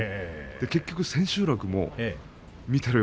結局、千秋楽も見ていろよ